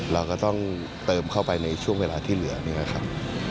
เราก็ต้องเติมเข้าไปในช่วงเวลาที่เหลือนี่แหละครับ